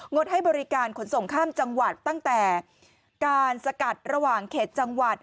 ดให้บริการขนส่งข้ามจังหวัดตั้งแต่การสกัดระหว่างเขตจังหวัด